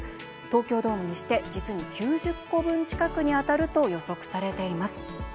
東京ドームにして実に９０個分近くに当たると予測されています。